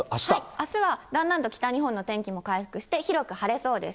あすはだんだんと北日本の天気も回復して広く晴れそうです。